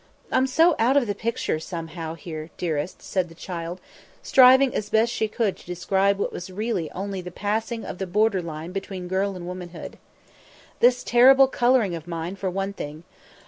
"I'm so out of the picture, somehow, here, dearest," said the child, striving as best she could to describe what was really only the passing of the border line between girl and womanhood. "This terrible colouring of mine, for one thing.